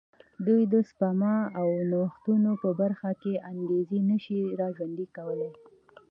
دوی د سپما او نوښتونو په برخه کې انګېزه نه شي را ژوندی کولای.